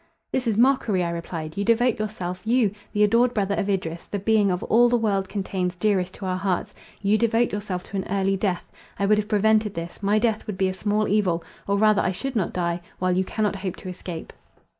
"This is mockery," I replied, "you devote yourself,—you, the adored brother of Idris, the being, of all the world contains, dearest to our hearts—you devote yourself to an early death. I would have prevented this; my death would be a small evil—or rather I should not die; while you cannot hope to escape."